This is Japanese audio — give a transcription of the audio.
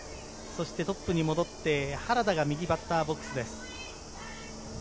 トップに戻って原田が右バッターボックスです。